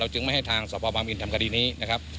จึงไม่ให้ทางสพบางมินทำคดีนี้นะครับ